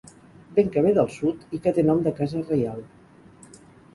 Vent que ve del sud i que té nom de casa reial.